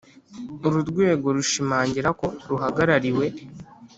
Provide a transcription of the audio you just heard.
Uru rwego rushimangira ko ruhagarariwe